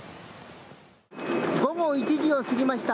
午後１時を過ぎました。